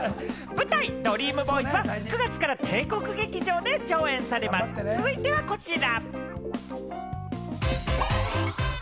舞台『ＤＲＥＡＭＢＯＹＳ』は９月から帝国劇場で上演されます、続いてはこちら！